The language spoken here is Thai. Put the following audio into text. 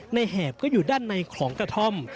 แหบก็อยู่ด้านในของกระท่อม